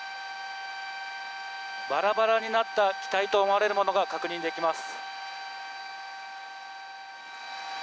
バラバラになった機体と思われるものが確認できます。